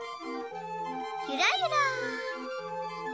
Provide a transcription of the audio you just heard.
ゆらゆら。